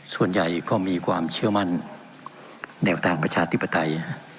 ส่วนใหญ่ก็มีความเชื่อมั่นแนวทางประชาธิปไตย